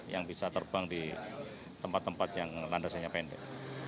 yang bisa terbang di tempat tempat yang landasannya pendek